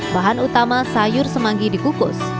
bahan utama sayur semanggi dikukus